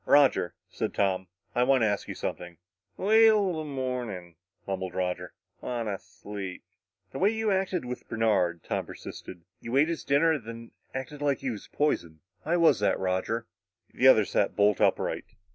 "Roger," said Tom, "I want to ask you something." "Wait'll the mornin'," mumbled Roger. "Wanta sleep." "The way you acted with Bernard," Tom persisted. "You ate his dinner and then acted like he was poison. Why was that, Roger?" The other sat bolt upright.